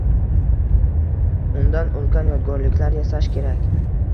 Undan ulkan yodgorliklar yasash kerak.